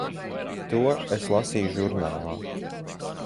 To es lasīju žurnālā.